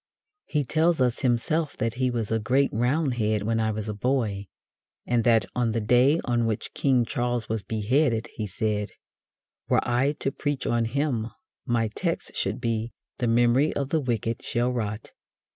He tells us himself that he "was a great Roundhead when I was a boy," and that, on the day on which King Charles was beheaded, he said: "Were I to preach on him, my text should be 'the memory of the wicked shall rot.'"